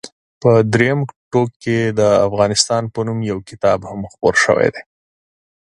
په درېیم ټوک کې د افغانستان په نوم یو کتاب هم خپور شوی دی.